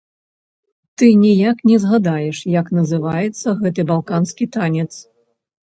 Ты ніяк не згадаеш, як называецца гэты балканскі танец.